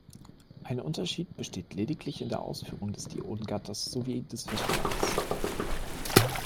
Ein Unterschied besteht lediglich in der Ausführung des Dioden-Gatters sowie des Verstärkers.